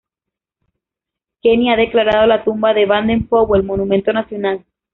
Kenia ha declarado la tumba de Baden-Powell monumento nacional.